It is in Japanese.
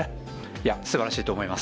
いや、すばらしいと思います。